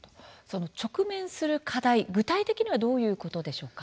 直面する課題、具体的にはどういうことでしょうか。